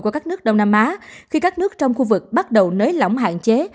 qua các nước đông nam á khi các nước trong khu vực bắt đầu nới lỏng hạn chế